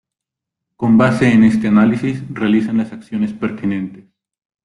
Con base en este análisis, realizan las acciones pertinentes.